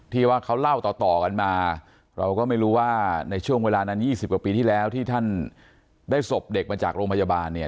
ที่ว่าเขาเล่าต่อกันมาเราก็ไม่รู้ว่าในช่วงเวลานั้น๒๐กว่าปีที่แล้วที่ท่านได้ศพเด็กมาจากโรงพยาบาลเนี่ย